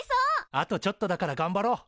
あとちょっとだからがんばろう！